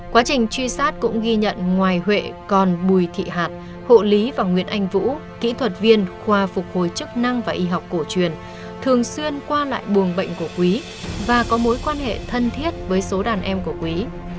quá trình truy sát cũng ghi nhận ngoài huệ còn bùi thị hạt hộ lý và nguyễn anh vũ kỹ thuật viên khoa phục hồi chức năng và y học cổ truyền thường xuyên qua lại buồng bệnh của quý và có mối quan hệ thân thiết với số đàn em của quý